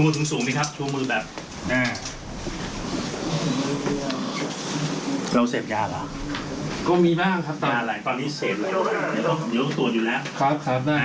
ได้ครับ